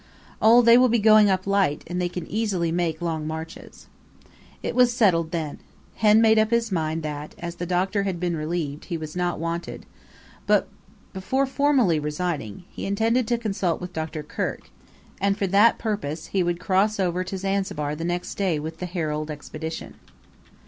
"Oh, they will be going up light, and they can easily make long marches." It was settled, then. Henn made up his mind that, as the Doctor had been relieved, he was not wanted; but, before formally resigning, he intended to consult with Dr. Kirk, and for that purpose he would cross over to Zanzibar the next day with the 'Herald' Expedition.